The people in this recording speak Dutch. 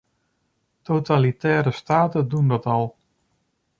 Totalitaire staten doen dat al.